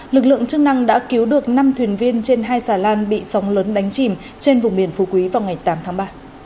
lực lượng chức năng đã cứu được năm thuyền viên trên hai xà lan bị sóng lớn đánh chìm trên vùng biển phù quý vào ngày tám tháng ba